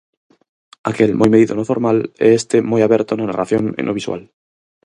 Aquel moi medido no formal e este moi aberto na narración e no visual.